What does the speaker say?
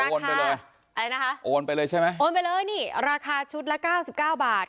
โอนไปเลยอะไรนะคะโอนไปเลยใช่ไหมโอนไปเลยนี่ราคาชุดละเก้าสิบเก้าบาท